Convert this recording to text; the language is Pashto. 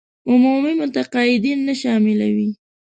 عمومي متقاعدين نه شاملوي.